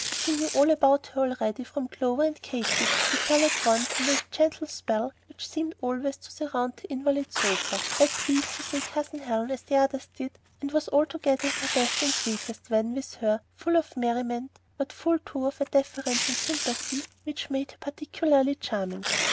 She knew all about her already from Clover and Katy, and fell at once under the gentle spell which seemed always to surround that invalid sofa, begged leave to say "Cousin Helen" as the others did, and was altogether at her best and sweetest when with her, full of merriment, but full too of a deference and sympathy which made her particularly charming.